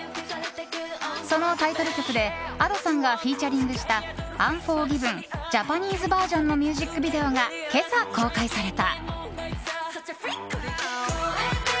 そのタイトル曲で、Ａｄｏさんがフィーチャリングした「ＵＮＦＯＲＧＩＶＥＮＪａｐａｎｅｓｅｖｅｒ．」のミュージックビデオが今朝、公開された。